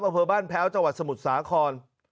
อำเภอบ้านแพ้วจังหวัดสมุทรสาคร